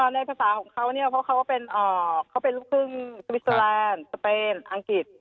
ในภาษาของเขาเนี่ยเพราะเขาเป็นลูกครึ่งสวิสเตอร์แลนด์สเปนอังกฤษ